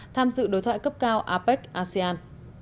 tham dự đối thoại cấp cao apec asean